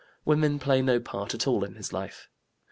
Women play no part at all in his life.